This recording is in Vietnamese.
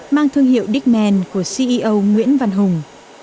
mang thương hiệu dickman của ceo nguyễn văn hùng